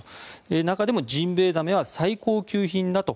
中でもジンベエザメは最高級品だと。